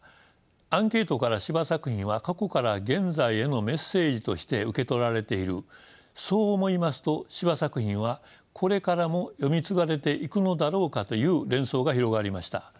アンケートから司馬作品は過去から現在へのメッセージとして受け取られているそう思いますと司馬作品はこれからも読み継がれていくのだろうかという連想が広がりました。